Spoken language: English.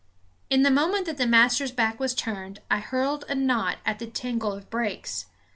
In the moment that the master's back was turned I hurled a knot at the tangle of brakes.